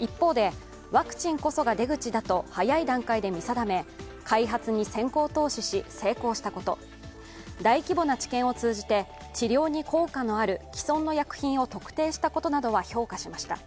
一方で、ワクチンこそが出口だと早い段階で見定め開発に先行投資し、成功したこと大規模な治験を通じて治療に効果のある既存の薬品を特定したことなどは評価しました。